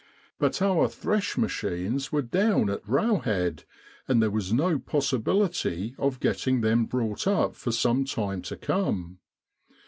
But our Thresh machines were down at railhead, and there was no possibility of getting them brought up for some time to come.